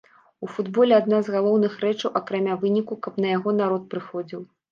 У футболе адна з галоўных рэчаў акрамя выніку, каб на яго народ прыходзіў.